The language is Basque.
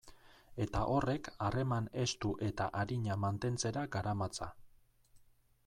Eta horrek harreman estu eta arina mantentzera garamatza.